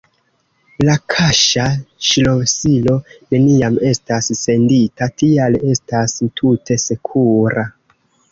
La kaŝa ŝlosilo neniam estas sendita, tial estas tute sekura.